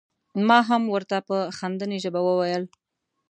ما هم ور ته په خندنۍ ژبه وویل.